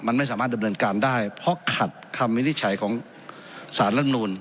มันไม่สามารถดำเนินการได้เพราะขัดคำวินิจฉัยของสารรัฐมนูล